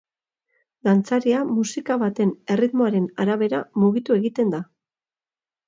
Dantzaria musika baten erritmoaren arabera mugitu egiten da.